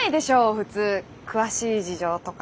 普通詳しい事情とかさ。